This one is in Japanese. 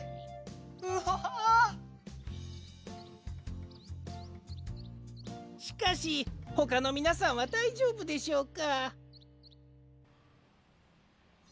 うわ！しかしほかのみなさんはだいじょうぶでしょうか？